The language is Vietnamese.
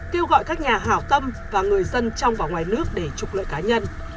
kêu gọi các nhà hào tâm và người dân trong và ngoài nước để trục lợi cá nhân